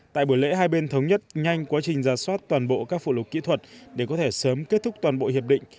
tại buổi lễ hai bên thống nhất nhanh quá trình ra soát toàn bộ các phụ lục kỹ thuật để có thể sớm kết thúc toàn bộ hiệp định